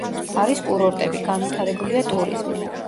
არის კურორტები, განვითარებულია ტურიზმი.